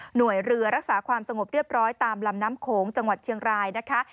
หน่วยเรือรักษาความสงบเรียบร้อยตามลำน้ำโขงจังหวัดเชียงรายนะคะ